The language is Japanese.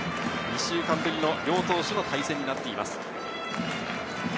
１週間ぶりの両投手の対戦になっています。